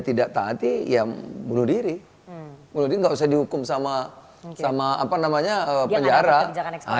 tidak taati yang bunuh diri mungkin gak usah dihukum sama sama apa namanya penjara aja kan